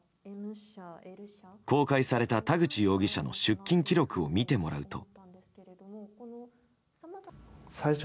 公開された田口容疑者の出金記録を見てもらうと。